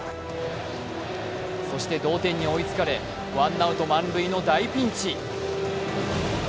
そして同点に追いつかれ、ワンアウト満塁の大ピンチ。